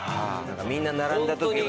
みんな並んだ時に。